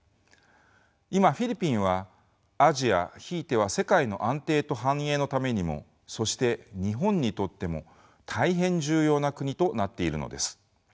今フィリピンはアジアひいては世界の安定と繁栄のためにもそして日本にとっても大変重要な国となっているのです。